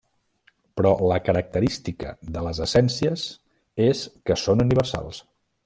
Però la característica de les essències és que són universals.